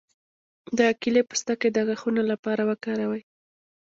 د کیلې پوستکی د غاښونو لپاره وکاروئ